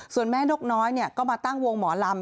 ส่วนแม่นกน้อยก็มาตั้งวงหมอลำ